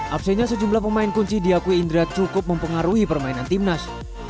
absennya sejumlah pemain kunci diakui indra cukup mempengaruhi permainan timnas